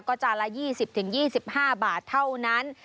ก็จานละ๒๐๒๕บาทเท่านั้น